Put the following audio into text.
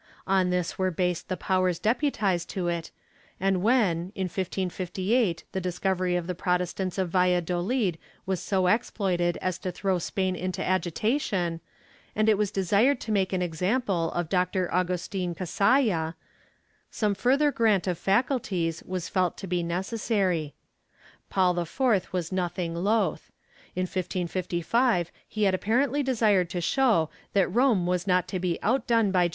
On this were based the powers deputized to it and when, in 1558 the discovery of the Protestants of Valladolid was so exploited as to throw Spain into agitation, and it was desired to make an example of Doctor Agustin Cazalla, some further grant of faculties was felt to be necessary. Paul IV was nothing loath. In 1555 he had apparently desired to show that Rome was not to be outdone by » MSS.